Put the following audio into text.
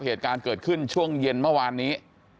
เหตุการณ์เกิดขึ้นช่วงเย็นเมื่อวานนี้